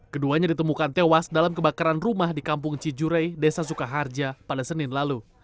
keduanya ditemukan tewas dalam kebakaran rumah di kampung cijure desa sukaharja pada senin lalu